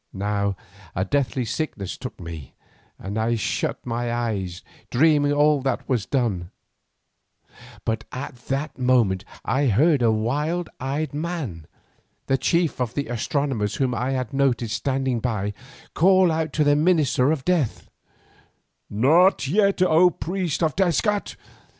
Now a deathly sickness took me and I shut my eyes dreaming that all was done, but at that moment I heard a wild eyed man, the chief of the astronomers whom I had noted standing by, call out to the minister of death: "Not yet, O priest of Tezcat!